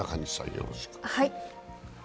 よろしく。